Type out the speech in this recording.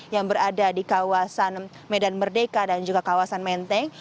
yang berada di kawasan medan merdeka dan juga kawasan menteng